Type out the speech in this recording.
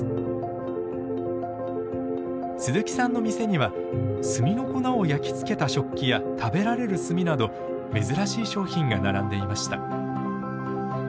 鈴木さんの店には炭の粉を焼き付けた食器や食べられる炭など珍しい商品が並んでいました。